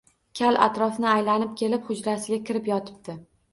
Kal atrofni aylanib kelib hujrasiga kirib yotibdi